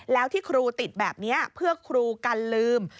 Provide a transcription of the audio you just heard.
แล้วที่ครูติดแบบนี้เพื่อครูกันลืม